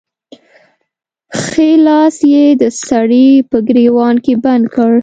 ښی لاس يې د سړي په ګرېوان کې بند کړ.